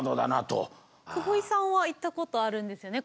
久保井さんは行ったことあるんですよね。